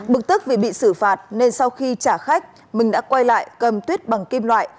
bực tức vì bị xử phạt nên sau khi trả khách mình đã quay lại cầm tuyết bằng kim loại